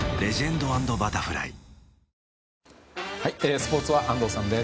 スポーツは安藤さんです。